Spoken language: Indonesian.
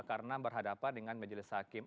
karena berhadapan dengan majelis hakim